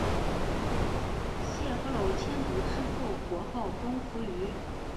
解夫娄迁都之后国号东扶余。